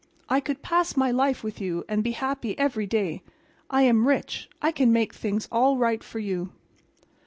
I could pass my life with you and be happy every day. I am rich. I can make things all right for you."